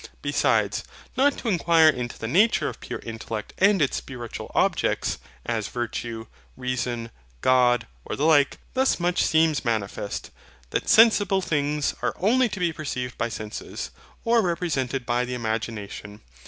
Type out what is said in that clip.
Besides, not to inquire into the nature of pure intellect and its spiritual objects, as VIRTUE, REASON, GOD, or the like, thus much seems manifest that sensible things are only to be perceived by sense, or represented by the imagination.